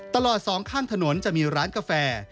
ตลอดสองข้างถนนจะมีร้านกาแฟ